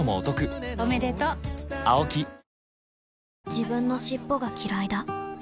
自分の尻尾がきらいだ